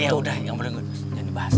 ya udah yang bener gue jenis bahas